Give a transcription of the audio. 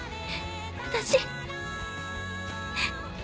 私。